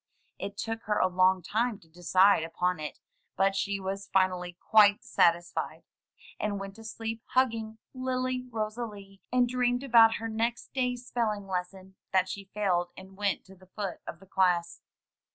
It took her a long time to decide upon it, but she was finally quite satisfied, and went to sleep hugging Lily Rosalie, and dreamed about her next day's spelling lesson — ^that she failed and went to the foot of the class.